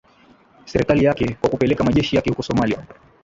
serikali yake kwa kupeleka majeshi yake huko somalia